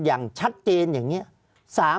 ภารกิจสรรค์ภารกิจสรรค์